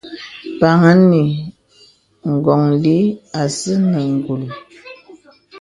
Pan ì mpkōlī a sì nə ngùl.